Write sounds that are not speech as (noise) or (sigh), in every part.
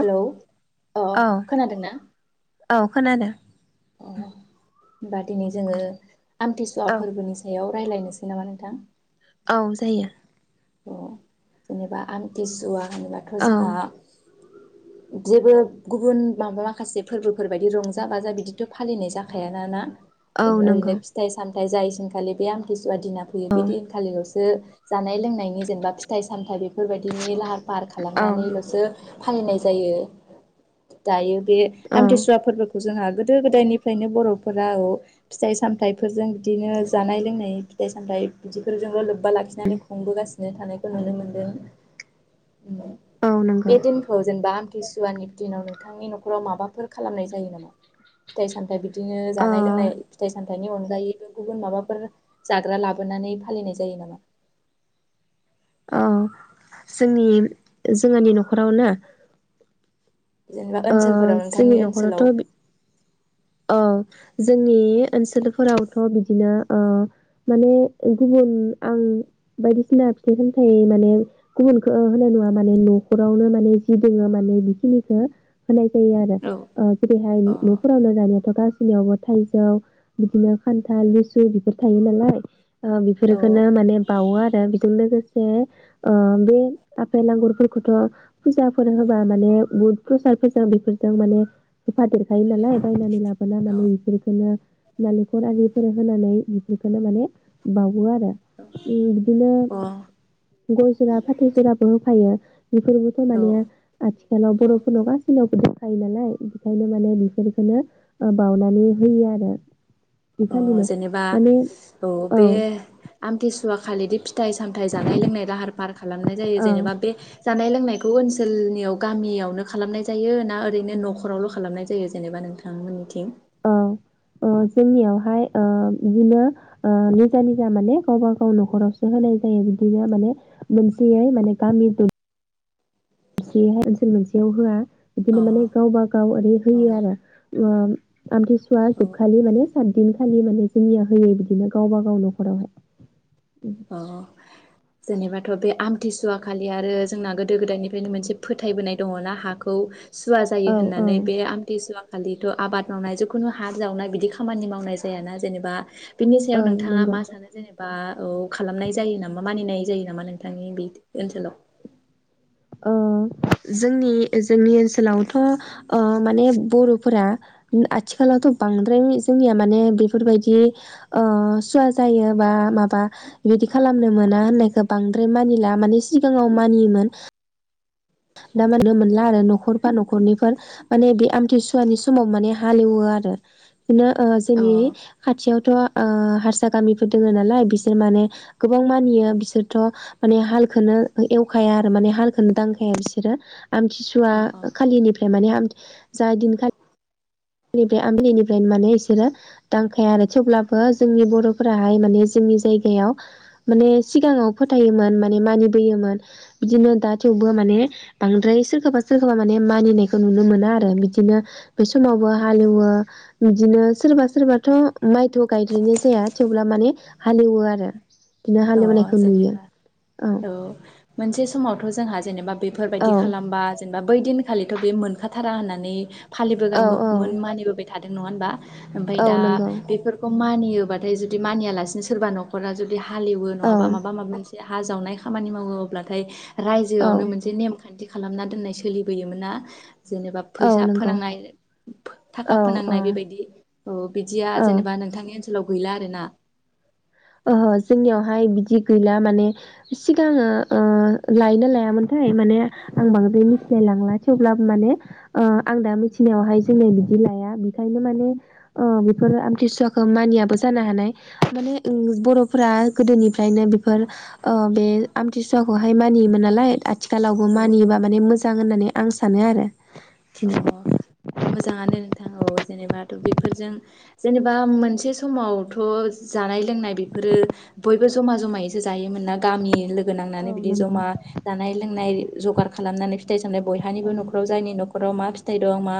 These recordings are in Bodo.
हेलौ अ औ खोनादों ना? औ खोनादो। अ होनबा दिनै जोङो आमथिसुवा औ फोर्बोनि सा सायाव रायज्लायनोसै नामा नोंथां? औ जायो। अ जेनेबा आमथिसुवा होनोबाथ' औ जोंहा जेबो गुबुन माबा माखासे फोर्बोफोर बायदि रंजा बाजा बिदिथ' फालिनाय जाखायाना ना औ ओरैनो नंगौ फिथाइ सामथाय जायैसिनखालि बे आमथिसुवा दिना फैयो औ बिदिन खालिल'सो जानाय लोंनायनि जेनेबा फिथाइ सामथाइ बेफोरबायदिनि लाहार पार औ खालामनानैल'सो फालिनाय जायो दायो बे औ आमथिसुवा खौ जोंहा गोदो गोदायनिफ्रायनो बर'फोरा अ फिथाइ सामथाइफोरजों बिदिनो जानाय लोंनाय फिथाइ सामथाइ बिदिफोरजोंल' लोब्बा लाखिनानै खुंबोगासिनो थानायखौ नुनो मोनदों। औ नंगौ बे दिनखौ जेनेबा आमथिसुवानि दिनाव नोंथांनि न'खराव माबाफोर खालामनाय जायो नामा फिथाइ सामथाय बिदिनो औ जानाय लोंनाय फिथाइ साम थाइनि अनगायैबो गुबुन माबाफोर जाग्रा लाबोनानै फालिनाय जायो नामा? औ जोंनि जोंहानि न'खरावना जेनेबा ओनसोलफोराव नोंथांनि ओनसोलाव। अ जोंनि ओनसोलफोरावथ' बिदिनो ओ माने गुबुन आं बायदिसिना फिथाइ सामथाइ माने गुबुनखो होनाय नुवा माने न'खरावनो माने जि दोङो माने बिखिनिखो होनाय जायो आरो औ ओ जेरैहाय न'फोरावनो थ' गासिनियावबो थाइजौ बिदिनो खान्थाल लिसु बिफोर थायो नालाय ओ औ बिफोरखोनो माने बावो आरो बिजों लोगोस सेयो ओ बे आपेल आंगुरफोरखौथ' फुजाफोर होबा माने बुद प्रसादफोरजों बेफोरजों माने होफादेर हायो नालाय बायनानै लाबोना औ माने इफोरखोनो नालेख'र आरिफोर होनानै बेखौनो माने बावो आरो उम बिदिनो। अ गय जरा फाथै जराबो होफायो बेफोरबोथ' औ माने आथिखालाव बर'फोरनाव गासैनावबो दोनखायो नालाय बेखायनो माने बेफोर बेखौनो ओ बावनानै होयो आरो। अ बिखालिनो जेनेबा माने औ। आमथिसुवा खालिदि फिथाइ सामथाय जानाय लोंनाय लाहार फाहार खालामनाय जायो जेनेबा बे जानाय लोंनायखौ ओनसोलनियाव गामियावनो खालामनाय जायो ना, ओरैनो न'खरावल' खालामनाय जायो जेनेबा नोंथां? थांमोननिथिं ओ ओ जोंनियावहाय ओ इदिनो ओ निजा निजा माने गावबा गाव न'खरावसो होनाय जायो बिदिनो माने मोनसेयै माने गामि दर सेहै ओनसोल मोनसेयाव होआ अ इदिनो माने गावबा गाव ओरै अ होयो आरो ओ आमथिसुवा औ जोबखालि माने सात दिनखालि माने जोंनिया होयो बिदिनो गावबा गाव न'खरावहाय। उम अ जेनेबाथ' बे आमथिसुवा खालि आरो जोंना गोदो गोदायनिफ्रायनो मोनसे फोथायबोनाय दङ ना हाखौ। सुवा जायो औ औ होननानै बे आमथिसुवा खालिथ' आबाद मावनाय, जिखुनु हा जावनाय बिदि खामानि मावनाय जायाना जेनेबा बिनि औ सायाव नोंथाङा नंगौ मा सानो जेनेबा औ, खालामनाय जायो नामा? मानिनाय जायो नामा नोंथांनि बे ओनसोलाव। ओ जोंनि जोंनि ओनसोलावथ' ओ माने बर'फोरा आथिखालावथ' बांद्राय जोंनिया माने, बेफोरबायदि ओ सुवा जायो बा माबा बिदि खालामनो मोना होननायखौ बांद्राय मानिला, माने सिगाङाव मानियोमोन। दा माननो मोनला आरो न'खरफा न'खरनैफोर माने बे आमथिसुवानि समाव माने हालेवो आरो बिदिनो ओ अ जोंनि खाथियावथ' हारसा गामिफोर दोङ नालाय ओ बिसोर माने गोबां मानियो बिसोरथ' माने हालखौनो एवखाया, आरो माने हालखोनो दां खाया बिसोरो आमथिसुवा अ अ खालिनिफ्राय माने जा दिनखालि नैबे आमबिलिनिफ्राय माने बिसोरो दांखाया आरो थेवब्लाबो जोंनि बर'फोराहाय माने, जोंनि जायगायाव माने सिगाङाव फोथायोमोन, माने मानिबोयोमोन, बिदिनो दा थेवबो माने बांद्राय सोरखौबा सोरखौबा माने मानिनायखौ नुनो मोना आरो बिदिनो बै समावबो हालेवो। बिदिनो सोरबा सोरबाथ' माइथ' गायद्रायनाय जाया, थेवब्ला माने हालेवो आरो। बिदिनो अ हालेवनायखौ नुयो जेनेबा औ। मोनसे समावथ' जोंहा जेनेबा, बेफोरबायदि औ खालामबा जेनेबा बै दिनखालिथ' बे मोनखाथारा होननानै फालिबोगा औ औ मानिबोबाय थादों नङा होनोमबा? ओमफाय औ दा नंगौ बेफोरखौ मानियोबाथाय जुदि मानियालासिनो सोरबा न'खरा जुदि हालेवो औ नङाबा माबा माबा मोनसे हा जावनाय खामानि मावो अब्लाथाय औ रायजोआवनो मोनसे नेम खान्थि खालामना दोननाय सोलिबोयोमोना जेनेबा औ फैसा नंगौ फोनांनाय। थाखा औ फोनांनाय बेबायदि ओ बिदिया औ जेनेबा नोंथांनि ओनसोलाव गैला आरो ना? ओहोजोंनियावहाय बिदि गैला माने, सिगाङो ओ लायनो लायामोन थाय माने आं बांद्राय मिथि थिलायलांला थेवब्लाबो माने ओ आं दा मिथिनायावहाय जोंङो बिदि लाया बेखायनो माने ओ बेफोरो आमतिसुवाखौ मानियाबो जानो हानाय माने ओं बर'फोरा गोदोनिफ्रायनो बेफोर ओ बे आमथिसुवाखौहाय मानियोमोन नालाय आ थिखालावबो औ मानियोबा माने मोजां होननानै आं सानो आरो। अ मोजाङानो नोंथां औ जेनेबा थ' बिफोरजों जेनेबा मोनसे समावथ' जानाय लोंनाय बेफोरो बयबो जमा जमायैसो, जायोमोन ना गामि लोग गो औ नांनानै बिदि नंगौ जमा जानाय लोंनाय जगार खालामनानै फिथाइ सामथाय बयहानिबो औ न'ख'राव जायनि नख' न'खराव मा फिथाइ दं मा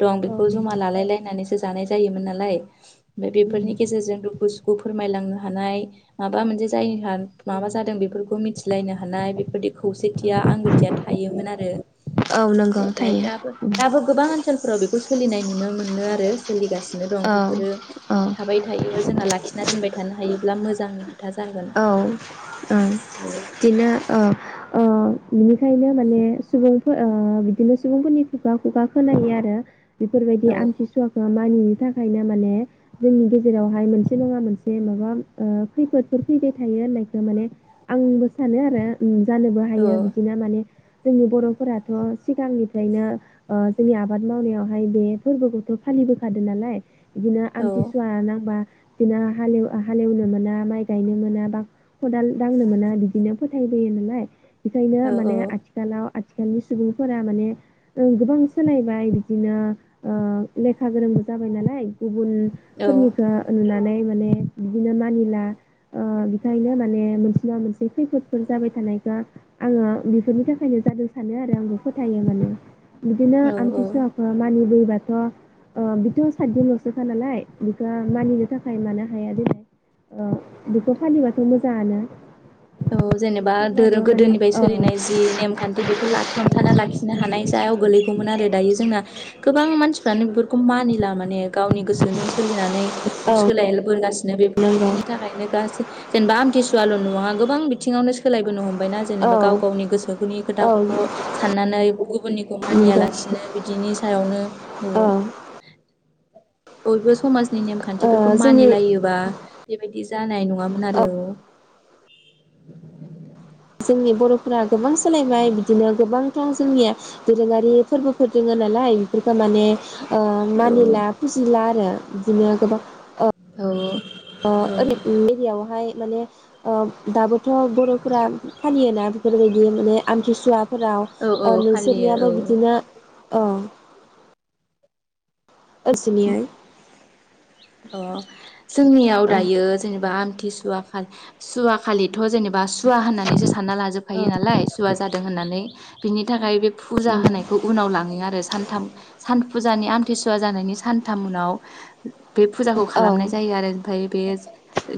दं औ बेखौ जमा नंगौ लालाय लायनानैसो जानाय जायोमोन नालाय। ओमफ्राय बेफोरनि गेजेरजों दुखु सुखु फोरमायलांनो हानाय माबा मोनसे जायनि हार माबा जादों बेफोर खौ मिथिलायनो हानाय बेफोरदि खौसेथिया औ आंगोथिया थायोमोन आरो औ नंगौ ओमफ्राय थायो दाबो गोबां ओनसोलफोराव बेखौ सोलिनाय नुनो मोनो आरो सोलिगासिनो दं औ बेफोरो औ थाबाय थायोबा जोंहा लाखिना दोनबाय थानो हायोब्ला मोजां औ ओम औ बिदिनो ओ ओ बिनिखायनो माने सुबुंफोर ओ बिदिनो सुबुंफोरनि खुगा खुगा खोनायो आरो बेफोरबायदि औ आमथिसुवाखौ मानियैनि थाखायनो माने जोंनि गेजेरावहाय मोनसे नङा मोनसे माबा ओ खैफोद बेफोर फैबाय थायो होननायखौ माने आंबो सानो आरो ओम जानोबो हायो बिदिनो माने जोंनि बर'फोराथ' सिगांनिफ्रायनो ओ जोंनि आबाद मावनायावहाय बे फोरबोखौथ' फालिबोखादों नालाय बिदिनो औ आमथिसुवा नांबा बिदिनो हालेव-हालेवनो मोना माइ गायनो मोना बा खदाल दांनो मोना बिदिनो फोथायबोयो नालाय बेखायनो औ माने आथि आथिखालाव आथिखालनि सुबुंफोरा माने जों गोबां सोलायबाय बिदिनो ओ लेखा गोरोंबो जाबाय नालाय औ गुबुनफोरनिखो नुनानै माने बिदिनो मानिला ओ बेखायनो माने मोन बा मोनसे खैफोदफोर जाबाय थानायखो आङो बेफोरनि थाखायनो जादों सानो आरो आंबो फोथायो माने बिदिनो औ औ आमथिसुवाखौ मानिबोयोबाथ' ओ बेथ' साथदिनल'सोखा नालाय बेखौ मानिनो थाखाय मानो हाया देलाय? ओ बेखौ फालिबाथ' मोजाङानो औ बिदिनो जेनेबा थेवब्लाबो धोरो माने गोदोनिफ्राय औ सोलिनाय जि नेम खान्थि बेखौ लाखि हमथाना लाखिनो हानाय सायाव गोगलैगौमोन औ आरो दायो जोंना गोबां मानसिफ्रानो बेफोरखौ मानिला माने गावनि गोसोजों सोलिनानै औ सोलायबोगासिनो नंगौ बेफोरबायदिनि थाखायनो गासै जेनेबा आमथिसुवल' नङा गोबां बिथिङावनो सोलायबोनो हमबायना औ जेनेबा गाव गावनि गोसोनि औ खोथाखौल' साननानै गुबुननिखौ नंगौ मानियालासिनो बिदिनि सायावनो औ ओम बयबो समाजनि ओ नेमखान्थिफोरखौ जोंनि मानिलायोबा बेबायदि जानाय नङामोन आरो औ। जोंनि बर'फोरा गोबां सोलायबाय बिदिनो गोबांथार जोंनिया दोरोङारि फोरबोफोर दोङो नालाय बेफोरखौ माने ओ औ मानिला फुजिला आरो बिदिनो गोबां औ ओ औ औ ओरै एरियायावहाय माने ओ दाबो थ' बर'फोरा फालियोना बेफोरबायदि माने आमथिसुवा फोराव औ ओ फालियो नोंसोरनियाबो बिदिनो ओ (unintelligible) औ जोंनियाव दायो जेनेबा आमथिसुवा सुवाखलिथ' जेनेबा सु सुवा होननानैसो सानना औ लाजोबफायो नालाय सुवा जादों होननानै बिनि थाखाय बे फुजा नंगौ होनायखौ उनाव लाङो आरो सानथाम सान फुजानि आमथिसुवा जानायनि सानथाम उनाव बे फुजाखौ औ खालामनाय जायो आरो ओमफाय बे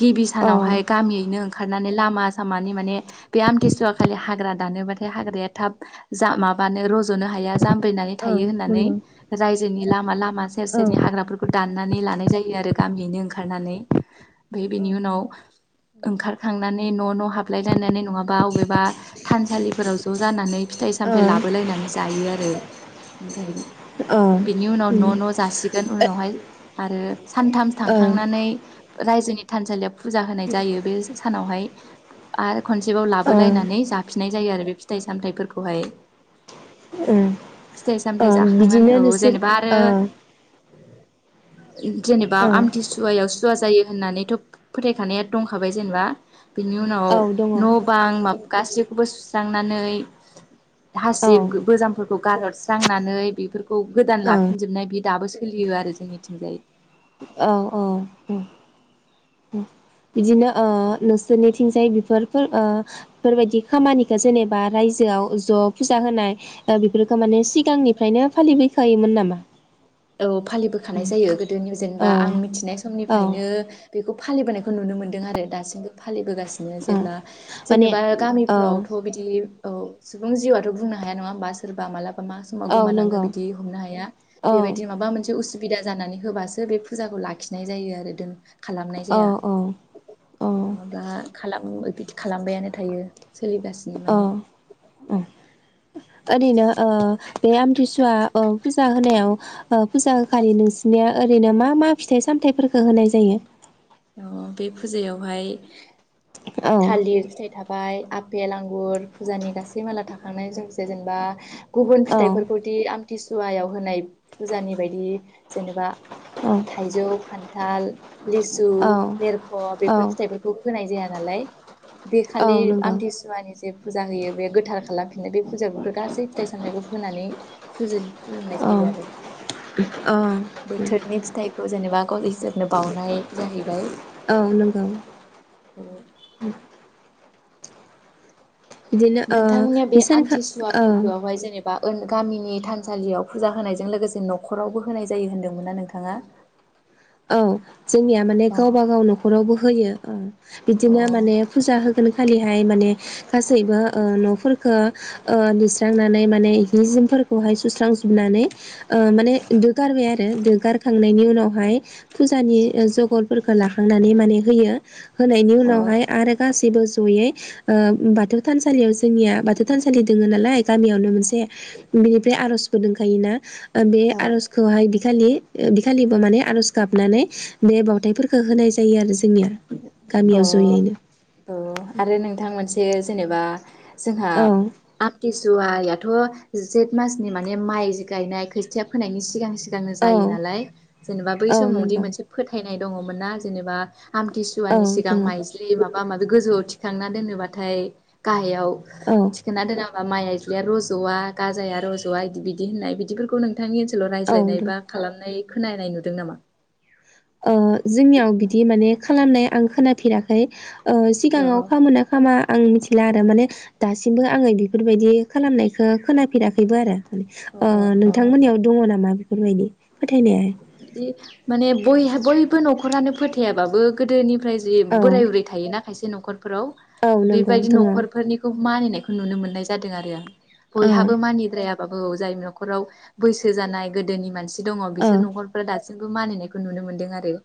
गिबि औ सानावहाय गामियैनो ओंखारनानै लामा सामानि माने बे आमथिसुवा खालि हाग्रा दानोबाथाय हाग्राया थाब जा माबानो रज'नो हाया जामब्रिनानै औ थायो होननानै नंगौ रायजोनि लामा लामा सेर औ सेरनि हाग्राफोरखौ दाननानै लानाय जायो आरो गामियैनो ओंखारनानै ओफाय औ ओ बेनि उनाव ओखारखांनानै न' न' हाबलाय लानानै नङाबा बबेबा थानसालिफोराव ज' जानानै फिथाइ ओ सामथाइ लाबोलायनानै जायो आरो ओमफाय ओ बिनि उनाव न' न' जासि गोन उनावहाय आरो सानथाम ओ थांखांनानै रायजोनि थानसालियाव फुजा होनाय जायो बे सानावहाय आरो खनसेबाव ओ लाबोलायनानै जाफिननाय जायो आरो बे फिथाइ सामथाइफोरखौहाय। उम फिथाइ ओ सामथाय जाखांनानै बिदिनो औ नोंसोर जेनेबा आरो ओ जेनेबा औ आमथि सुवायाव सुवा जायो होननानैथ' फोथायखानाया दंखाबाय जेनेबा बेनि उनाव औ दङ औ न' बां गासैखौबो सुस्रांनानै औ हासिब गोजामफोरखौ गारहरस्रांनानै बेफोरखौ गोदान लाफिनजोबनाय बिब दाबो सोलियो आरो जों मिथिंजाय। औ औ औ। बिदिनो ओ नोंसोरनिथिंजाय बेफोरफोर ओ बेफोरबायदि खामानिखौ जेनेबा रायजोआव ज' फुजा होनाय। ओ बेफोरखौ माने सिगांनिफ्रायनो फालिबोयखायोमोन नामा? औ फालिबोखानाय जायो गोदोनि जेनेबा औ आं मिथिनाय औ समनिफ्रायनो बेखौ फालिबोनायखौ नुनो मोनदों आरो दासिमबो फालिबोगासि नो औ जेब्ला माने जेनेबा औ गामिफ्रावथ' बिदि औ सुबुं जिउआथ' बुंनो हाया नङा होमबा सोरबा माला ब्ला मा समाव औ गोमालाङो नंगौ बिदि हमनो हाया औ बेबायदि माबा मोनसे उसु बिदा जानानै होबासो बे फुजाखौ लाखिनाय जायो आरो दों खालामनाय औ जाया। औ नङाबा खालाम बिदि खालामबायानो थायो सोलिगासिनो माने उम ओरैनो ओ बे आमथिसुवा औ फुजा होनायाव ओ फुजा खालि नोंसिरनिया ओरैनो मा मा फिथाइ सामथायाइफोरखौ होनाय जायो। ओ औ बे फुजायावहाय औ थालिर फिथाइ था बाय आपेल आंगुर फुजानि गासै माला थाखांनाय जोंसे जेनेबा गुबुन औ फिथाइफोरखौ बिदि आमथिसुवायाव होनाय फुजानि बायदि जेनेबा औ थाइजौ, खान्थाल, लि सु, औ लेरख' औ बेफोर फिथाइफोरखौ होनाय जाया नालाय। बे औ खालि नंगौ आमथिसुआनि जे फुजा होयो बे गोथार खालामफिननो बे फुजा बेफोर गासै फिथाइ-सामथायखौ होनानै। फुजि खुलुमनाय जायो आरो ओ बोथोरनि फिथाइखौ जेनेबा (unintelligible) बाउनाय जाहैबाय। औ नंगौ। अ बिदिनो ओ नोंथांमोननिया बे सानखा आमथिसुवा औ फोरबोआवहाय जेने बा ओ गामिनि थानसालियाव फुजा होनायजों लोगोसे न'खरावबो होनाय जायो होन्दोंमोना नोंथाङा। (unintelligible) औ जोंनिया माने अ गावब गाव न'खरावबो होयो औ बिदिनो माने अ फुजा हो खोनखालिहाय माने गासैबो ओ न'फोरखो ओ लिस्रांनानै माने जि जोमफोरखौहाय सुस्रांजोबनानै। ओ माने दोगारबाय आरो दोगारखांनायनि उनावहाय फुजानि ओ जगलफोरखौ लाखांनानै माने होयो होनायनि उनावहाय आरो गासैबो जयै ओ बाथौ थानसालियाव जोंनिया बाथौ थानसालि दोङो नालाय गामियावनो मोनसे। बिनिफ्राय आर'जबो दंखायोना। ओ बे अ आर'जखौहाय बिखालि बिखालिबो माने आर'ज गाब गाबनानै बे बावथायफोरखौ होनाय जायो आरो जोंनिया। अ गामियाव जयैनो औ आरो नोंथां मोनसे जेनेबा जोंहा। औ आम्तिसुवायथ' जेठ मासनि माने माइ गायनाय जानो औ जायो नालाय जेनेबा बै औ समाव दि नंगौ मोनसे फोथायनाय दङमोन ना जेनेबा आमत सु औ जुवानि सिगां दङ माइज्लि माबा माबि गोजौआव थिखांना दोनोबाथाय गाहायाव। औ। खोना दोनाबा माइ आइज्लिया रज'या गाजाया रज'या बिदि बिदि होननाय बिदिफोरखौ नों थांनि ओनसोलाव औ रायज्लायनाय दं बा खालामनाय खोनानाय नुदों नामा? ओ जोंनियाव बिदि माने खालामनाय आं खोनाफेराखै ओ अ सिगाङाव खामोना खामा आं मिथिला आरो माने दासिमबो आङो बेफोरबायदि खालामनायखौ खोनाफेराखैबो आरो अ अ ओ- अ नोंथांमोननियाव दङ नामा बेफोरबायदि फोथायनाय? बिदि माने बहा बयबो न'खरानो फोथायाबाबो गोदोनिफ्राय जि औ बोराय बुरै थ थायोना खायसे न'खरफोराव औ नंगौ बेबायदि दङ नख'रफोरनि खौ मानिनायखौ नुनो मोननाय जादों आरो आं औ बयहाबो मानिद्राया बाबो जाय न'खराव बैसो जानाय गोदोनि मानसि दङ औ बिसोर न'खर फोर दासिमबो मानिनायखौ नुनो मोन्दों आरो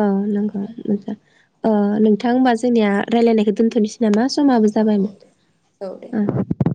औ नगौ मजां ओ- नोंथां होमबा जोंनिया रायजलायनायखौ दोनथ'नोसै नामा समाबो औ औ दे औ दे जाबायमोन